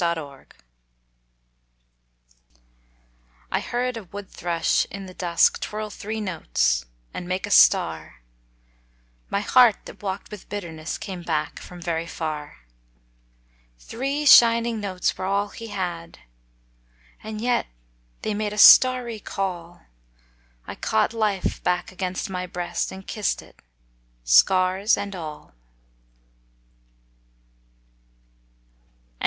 Wood Song I heard a wood thrush in the dusk Twirl three notes and make a star My heart that walked with bitterness Came back from very far. Three shining notes were all he had, And yet they made a starry call I caught life back against my breast And kissed it, scars and all. VII.